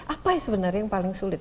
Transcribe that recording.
apa sebenarnya yang paling sulit